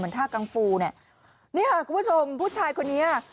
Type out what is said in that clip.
เหมือนท่ากังฟูเนี่ยเนี่ยคุณผู้ชมผู้ชายคนนี้อ่ะ